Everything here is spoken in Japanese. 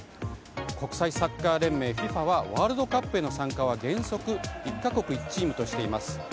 国際サッカー連盟・ＦＩＦＡはワールドカップへの参加は原則１か国１チームとしています。